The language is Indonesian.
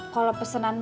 kalo pesenan baik